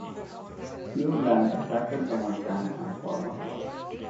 Pure Land attracted the merchant and farmer classes.